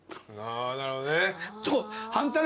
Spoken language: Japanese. なるほどね。